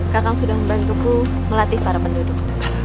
kakak sudah membantuku melatih para penduduk